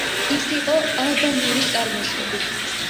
ის იყო ალბანური წარმოშობის.